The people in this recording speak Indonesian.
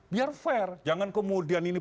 biar fair jangan kemudian ini